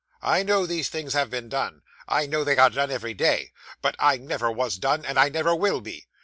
I know these things have been done. I know they are done every day; but I never was done, and I never will be.